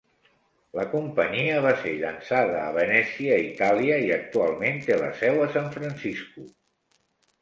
La companyia va ser llançada a Venècia, Itàlia, i actualment té la seu a San Francisco.